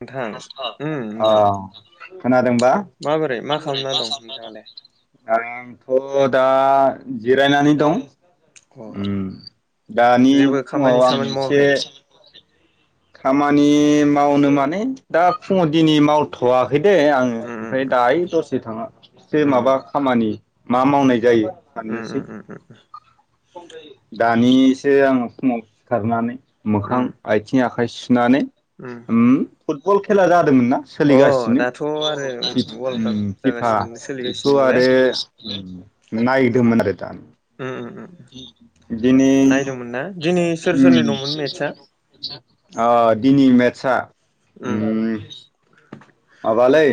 नोंथां उम नोंथां अह खोनाद [inaudible] माबोरै मा खालामना दं नोंथाङालाय? आंथ दा जिरायनानै दं। अ ओम दानि जेबो खामानि फुङाव आं सामानि इसे मावाखै खामानि मावनो माने दा फुङाव दिनै मावथवाखै। फै दे आङो उम ओमफ्राय दायो दसे थां सै उम माबा खामानि मा मावनाय जायो उम साननोसै उम उम उम दानिसो आङो फुङाव सिखारनानै मोखां उम आइथि आखाय सुनानै उम फुटबल खेला ज दोंमोनना अ सोलिगासिनो दाथ' आरो वर्ल्ड उम काप फिफा जागासिनो सोलिगासिनो बेखौ नालाय आरो उम नायदोंमोन आरो दा उम उम उम दिनै नायदोंमोन ना दिनै सोर उम सोरनि दंमोन मेटसआ अ दिनै मेथ सा उम माबालै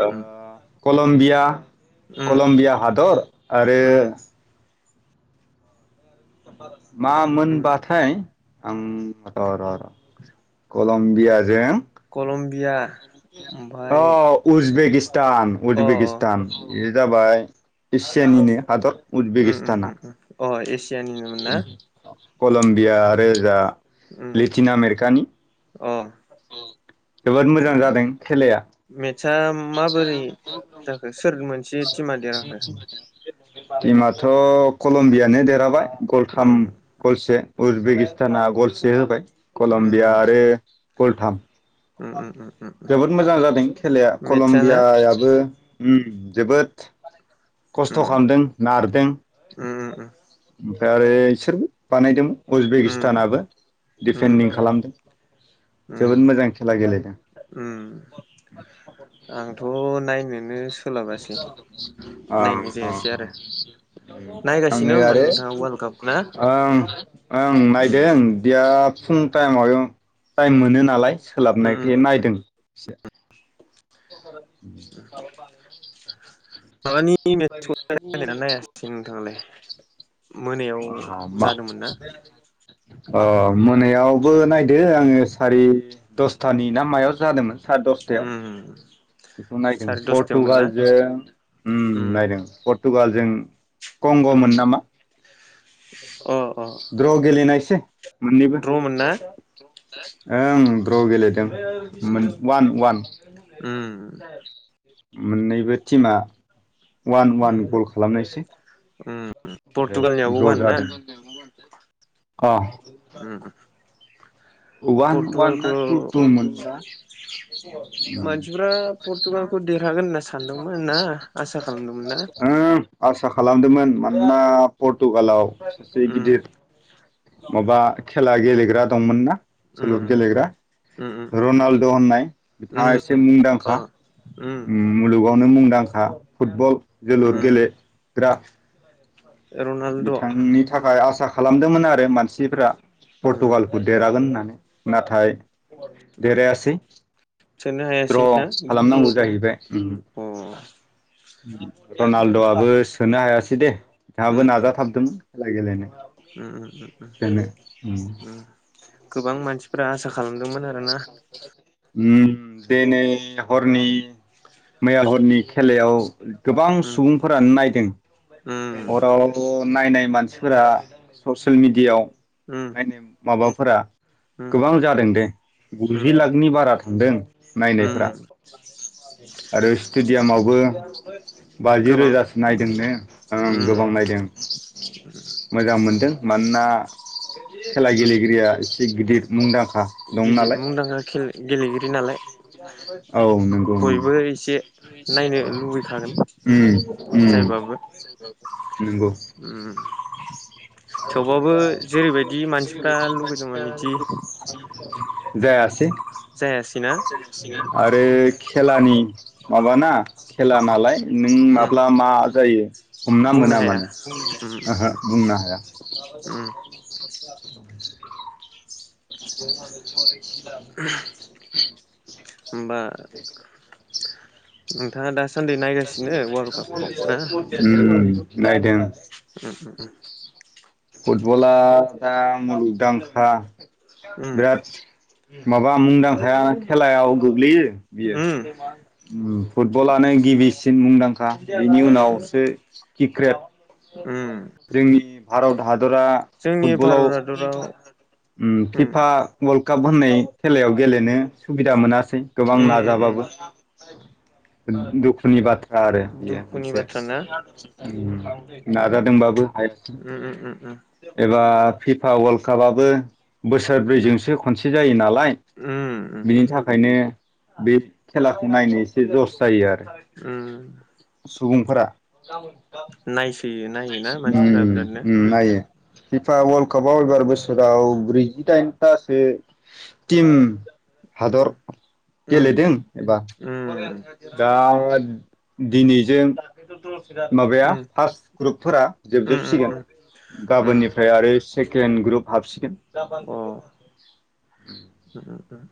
अ उम कलम्बीया उम कलम्बिया हादर आरो उम [inaudible] मा उम मोनबाथाय आं र र र कलम्बियाजों कलम अ उजबेकि स्तान अ अ उजबेकिस्तान बेयो जाबाय एसियानिनो हादर। उम उम उजबेकिस्ताना उम उम अ ए सियानिनोमोन ना? कलम्बिया आरो ओजा उम लेथिन आमेरिकानि अ जोबोद मोजां जादों खेलाया। मेटसा माबोरै जाखो सोर मोनसे टिमा देरहाखो? टिमाथ' कलम्बियानो देरहाबाय। गलथाम उम गलसे। उजबेकिस्ताना गलसे होबाय। उम कलम्बिया आरो गलथाम। उम उम उम उम जोबोद मोजां जादों खेलाया। [unintelligible] मेटसआ ना ब्यायाबो उम जोबोद खस्थ' उम खालामदों नारदों। उम ओमफ्राय आरो इसोरबो बानायदोंमोन। उम उजबेकिस्तानाबो उम दिफेन्दिं खालामदों उम जोबोद मोजां खेला गेलेदों। [inaudible] उम आंथ' नायनो औ नायनाय जायासै आरो नायगासिनो आङो होमबा आरो नोंथाङा वर्ल्ड काप ना आं ओं उम नायदों बिराद फुं टाइमाव टाइम मोनो नालाय। उम उम सोलाबनायखाय नायदों। [inaudible] [inaudible] [inaudible] माबानि [unintelligible] नायासै नोंथाङालाय मोनायाव अ मा जादोंमोन ना? अ मोनायावबो नायदो आङो सारि दसथानि ना मायाव जादोंमोन। सारि दसथायाव उम बेखौ नायदों साराय दसथायावमोन ना पर्टुगालजों उम। नायदों फ तुगालजों उम कंग'मोन नामा? अ अ द्र' गेलेनाय दे मोननैबो द्र'मोन ना ओं ड्र' गेलेदों। उम मोन वान वान। उम मोननैबो टिमा वान वान गल खालामनायसै। ओमफ्राय पर्तुगालनियाबो द्र' वान ना? जादों अ उम वान वान ना पर्टुगालखौ टु टु मोन बा मानसिफ्रा पर्टुगालखौ देरहागोन होनना सानदोंमोन ना आसा खालामदोंमोन ना आसा खालामदोमोन मानोना पर्टुगालाव सासे उम गिदिर माबा खेला गेलेग्रा दंमोन ना? सल' उम गेलेग्रा उम उम रनाल्द' होननाय उम उम बिथाङा एसे अ मुंदांखा उम मुलुगावनो मुंदांखा। था फुटबल जोलुर उम गेले ग्रा। रनाल्द' बिथांनि थाखाय आसा खालामदोंमोन आरो। मानसिफ्रा उम पर्टुगालखौ देरहागोन होननानै। नाथाय। उम देरायासै सोनो द्र' हायासैना अ खालामनांगौ जाहैबाय उम उम उम रनाल्द'आबो सोनो हायासै।। दे हाबो उम नाजाथाबदोंमोन। खेला गेलेनो। उम उम गोबां मानसिफोरा आसा खालामदोंमोन आरोना।। [inaudible] उम दिनै हरनि मैया हरनि खेलायाव। गोबां उम सुबुंफोरानो नायदों उम हराव। नायनाय मानसिफोरा सस। ससियेल मिडियाआव। उम नायनो माबा फोरा। उम गोबां जादों दे उम गुजि लाखनि बारा थांदों नायनायफोरा उम आरो स्टेडियामावबो। [unintelligible] बाजि गोबां रोजासो नायदों नो आंं उम गोबां नायदों मोजां मोनदों। मोनना। खेला उम गेलेगिरिया। गिदिर मुंदाख [unintelligible] दं गिदिर नालाय मुंदांखा गेलेगिरि नालाय औ बयबो नंगौ-नंगौ एसे नायनो लुबैखागोन उम-उम। जायबाबो [unintelligible] उम थेवबाबो जेरैबायदि मानसिफ्रा लुगैदोंमोन बिदि [unintelligible] जायासै। जायासैना। आरो खेलानि माबाना खेला नालाय। नों उम माब्ला मा जायो हमना बुंनो मोना हाया माने उम ओ-ओ बुंनो हाया। [unintelligible] उम [unintelligible] [unintelligible] होमबा नोंथाङा दासान्दि उम नायगासिनो वर्ल्ड कापखौ ना नायदों [unintelligible] फुटबला दा मुलुगदांखा उम बिराद माबा मुंदांखाया खेलायाव गोग्लैयो बियो उम फुटबलानो गिबिसिन मुंदांखा बिनि उम उनावसो उम [unintelligible] जोंनि आरोबाव दाहाज जोंनि फुटबलाव भारत हादराव ओम उम खिफा काप होननाय खेलायाव गेलेनो सुबिदा मोनासै गोबां उम उम उम नाजाबाबो दुखुनि बा आरो बियो दुखुनि मोनसे बाथ्रा ना उम नाजादोंबाबो उम उम उम एबा फिफा वर्ल्ड कापआबो बोसोरब्रैजोंसो खनसे जायो ना लाय उम उम बिनि थाखायनो बे खेलाखौ नायनो एसे जस जायो आरो उम सुबुंफोरा [inaudible] ओम नायसोयो नायोना मानसिफोरा ओम बिरादनो नायो। फिफा उल्ड कापाव एबार बोसोराव ब्रैजिदाइनथासो टिम हादर उम उम गेलेदों एबा उम दा दिनैजों माबाया उम फार्स ग्रुपफोरा उम जोबजोबसिगोन उम उम गाबोननिफ्राय आरो सेकेण्ड ग्रुप हाबसिगोन [inaudible] अ उम उम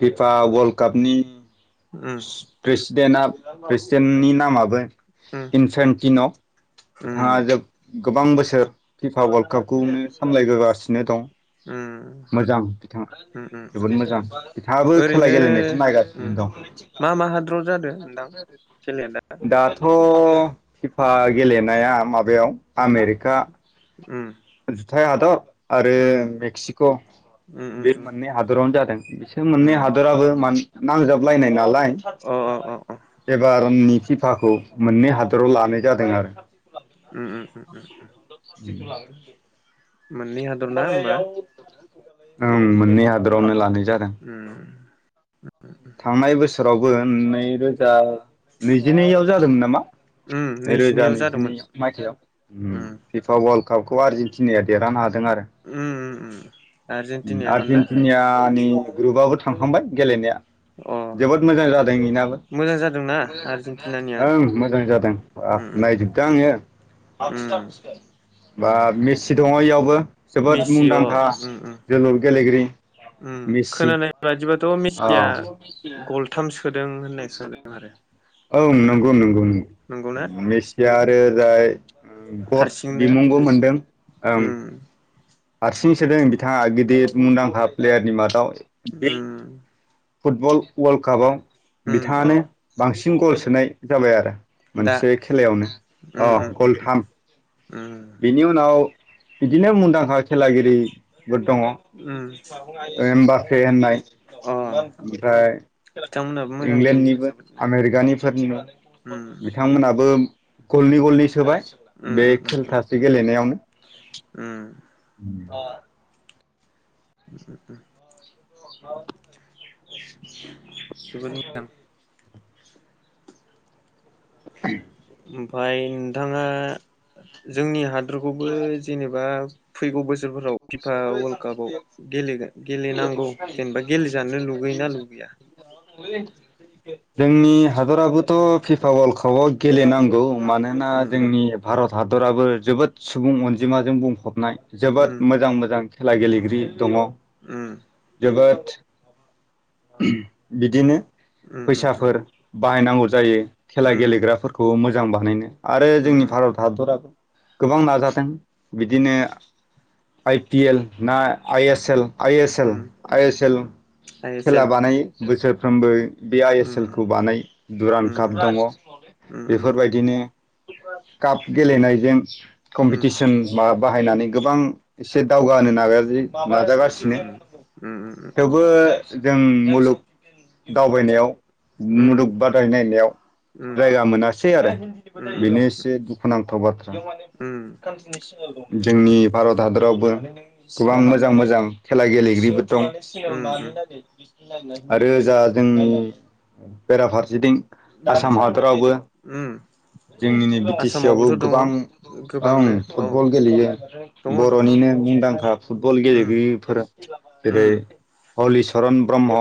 फिफा वर्ल्ड कापनि उम प्रेसिडेन्टआ प्रेसिडेन्टनि नामाबो उम इनसेन्टिन' बिथाङा उम जोब गोबां बोसोर फिफा वार्ल्ड कापखौनो सामलायबोगासिनो दं। उम मोजां बिथाङा उम उम जोबोद मोजां। बिथाङाबो खेला ओरैनो गेलेनायखौनो उम नायगासिनो दं। मा मा हादराव जादों नोंथां खेलाया दा दाथ' फिफा गेलेनाया माबा बेयाव उम आमेरिका उम जुथाय हादर आरो उम मेक्सिक' उम उम बे उम मोननै हादरावनो जादों बिसोर मोननै उम हादराबो मान नांजाबलायनाय नालाय अ अ अ अ एबार फिफाखौ मोननै हादराव लानाय जादों आरो उ उ उ उ [unintelligible] मोननै हादर ना होमबा? ओं मोननै हादरावनो लानाय जादों उम औ थांनाय बोसोरावबो नैरोजा नैजिनैआव जादोंमोन नामा? उम नैरोजा नैजिनैआव नैजिनै जादोंमोन मायथाइयाव उम फिपा वर्ल्ड कापखौ आरजिन तिनाया देरहानो हाद दों आरो उम उम उम आर्जेेनटिनायामोन ना आर्जेन्टिनियानि ग्रुबाबो थांखांबाय गेलेनाया अ जोबोद मोजां जादों इनाबो मोजां जादोंना आर्जेेनटिनानिया ओं मोजां जादों उम बाब उम नायजोबदों उम आङो बा मेसि दङ इयावबो जोबोद मेसि अ मुंदांखा उम उम गेलेगिरि उम मेसि खोनानाय बादिबाथ अ मेसिया गलथाम सोदों होननाय खोनादों आरो औ नंगौ खोनानायाव नंगौ नंगौना नंगौ मेसिया आरो ओरै जाय खद हारसिंनो बिमुंबो मोनदों ओं उम हारसिं सोदों बिथाङा गिदिर मुंदांखा प्लेयारनि मादाव बे उम फुटबल वर्ल्ड कापाव उम उम बिथाङानो बांसिन सिन गल सोनाय जाबाय आरो दा मोनसे खेलायावनो उम अ उम गलथाम उम बिनि उनाव बिदिनो मुंदांखा खेलागिरि दङ उम होमबा फे होननाय अ ओमफ्राय बिथांमोनहाबो मोजां गेलेयो इंलेण्डनिबो जोबोदनो आमेरिकानिफोरनिबो उम बिथांमोनाबो गलनै गलनै सोबाय उम बे उम उम खेलथासो गेलेनायावनो उम ओ [unintelligible] [unintelligible] जोबोद मोजां। [unintelligible] ओमफाय नोंथाङा जोंनि हाद दोरखौबो जेनेबा फैगौ बोसो फोराव फिफा वल्ड कापआव गेले-गेलेनांगौ जेनेबा गेलेजानो लुगैयो ना लुगैया? जोंनि हादराबोथ' फिफा वल्ड कापआव गेलेनांगौ। मानोना उम जोंनि भारत हादराबो जोबोद सुबुं अनजिमाजों बुंफबनाय। जोबोद उम मोजां खेला गेलेगिरि दङ' उम जोबोद बिदिनो उम उम उम फैसाफोर बाहायनांगौ जायो। खेला उम गेलेग्राफोरखौ मोजां जां बानायनो। आरो जोंनि उम उम भारत हादराबो गोबां नाजादों बिदिनो आइ पि एल ना I S L I S L उम उम I S L I S खेला एल बानायो बोसोर [unintelligible] बे आइ एस एल उम खौ बानाय दुरान काप उम दङ उम बेफोरबायदिनो काप गेलेनायजों उम कम्पिटिसन मा बाहायनानै गोबां एसे दावगा होनो नागाजि नाजागासिनो उम उम उम थेवबो जों मुलुग दावबायनायाव मुलुग बादायलायनायाव उम जायगा मोनासै आरो बेनो एसे दुखुनां थाव बाथ्रा। बेयाव माने बहुत कान्ट्रिनि सिनाव दं। जोंनि भारत हादोरावबो गोबां मोजां मोजां खेला गेलेगिरिबो दं उम [unintelligible] आरो जा जोंनि बेराफारसेथिं उम आसाम हादरावबो उम जोंनिनो बिटि सि आवबो आसामावबोथ' दङ गोबां ओं गोबांनो औ फुटबल गेलेयो। दङ दङ बर'निनो मुंदांखा फुटबल उम गेलेगिरिफोर जेरै उम हलिचरन ब्रह्म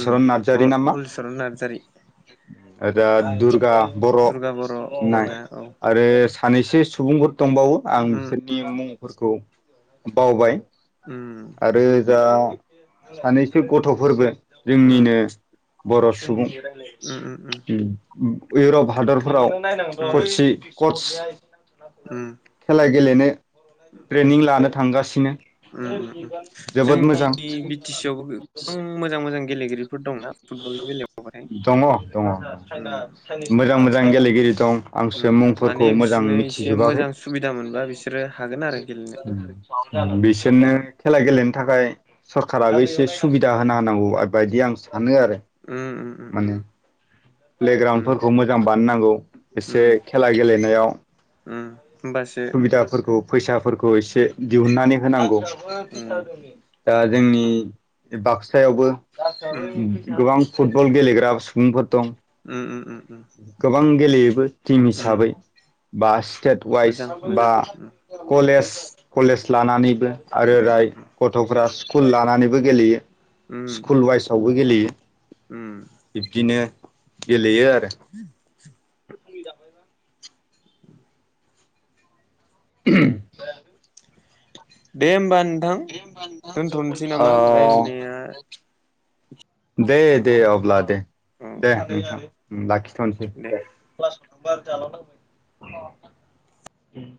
उम नार्जारी नामा हलिचरन नार्जारि ओदा उम दुर्गा बर' दुर्गा बर' होननाय मोना औ आरो सानैसो सुबुंबो दंबावो आं उम बिसोर नि मुंफोरखौ बावबाय। उम आरो जा सानैसो गथ'फोरबो उम जोंनिनो बर' सुबुं उम उम [inaudible] इउरप हादरफोराव [unintelligible] उम जायो उम खेलाय गेलेनो ट्रेनिं लानो थांगासिनो उम उम जोबोद मोजां। जोंनि गेलेगिरि दंङ दंङ उम मोजां मोजां गेले गिरि दं। आंसो उम मुंफोरखौ माने मोजां बिसोरनो एसे मिथिजोबाखै मोजां सुबिदा मोनबा बिसोरो हागोन आरो गेलेनो बिसोरनो ओरैबायदि खेला गेलेनो थाखाय उम सरखाराबो एसे सुबिदा [unintelligible] उम उम उम। माने उम प्लेग्राउन्डफोरखौ मोजां बानायनांगौ एसे उम खेला गेलेनायाव उम। होमबासो सुबिदाफोरखौ फैसाफोरखौ एसे दिहुननानै होनांगौ। [unintelligible] उम जोंनि बाक्सायावबो उम गोबां फुटबल गेलेग्रा सुबुंफोर दं ओम ओम ओम [unintelligible] गोबां गेलेयोबो। टिम उम हिसाबै। बास स्टेट वाइस मोजां बा मोजां उम कलेज कलेज लानानैबो आरो उम राय उम गथ'फ्रा स्कुल लानानैबो गेलेयो। उम स्कुल वाइसआवबो गेलेयो। उम बिब्दिनो गेलेयो आरो उम [unintelligible] दे होमबानि औ रायलायनाया औ दे बेखौ दे अब्ला दे दे नोंथां लाखिथ'नोसै दे दे। [unintelligible]